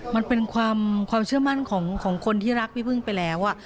มันเป็นความเชื่อมั่นของคนที่รักพี่พึ่งไปแล้ว